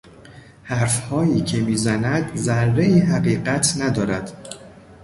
حرفهایی که میزند ذرهای حقیقت ندارد.